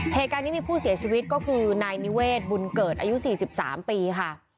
เหตุการณ์นี้มีผู้เสียชีวิตก็คือนายนิเวศบุญเกิดอายุ๔๓ปีค่ะ